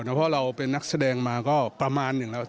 เพราะเราเป็นนักแสดงมาก็ประมาณหนึ่งแล้ว